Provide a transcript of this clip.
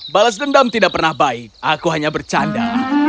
balas dendam tidak pernah baik aku hanya bercanda